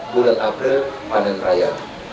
bulan april panen raya